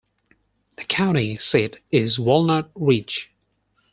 The county seat is Walnut Ridge.